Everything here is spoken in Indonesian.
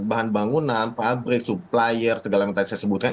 bahan bangunan pabrik supplier segala yang tadi saya sebutkan